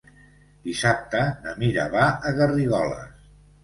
Dissabte na Mira va a Garrigoles.